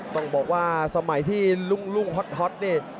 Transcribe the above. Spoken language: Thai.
ต้องบอกว่าสมัยที่รุ่งฮอตนี่